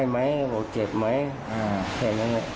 ไม่เจ็บอะไร